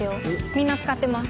みんな使ってます。